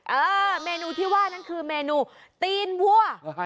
เออเมนูที่ว่านั้นคือเมนูตีนวัว